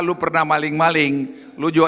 lu pernah maling maling lu juga